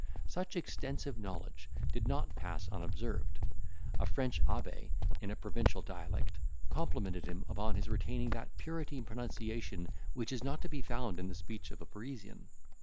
Such extensive knowledge did not pass unobserved. A French abbe, in a provincial dialect, complimented him upon his retaining that purity in pronunciation, which is not to be found in the speech of a Parisian.